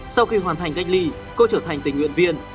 sau khi hoàn thành cách ly cô trở thành tình nguyện viên